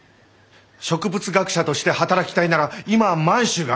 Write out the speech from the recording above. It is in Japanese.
植物学者として働きたいなら今は満州がある！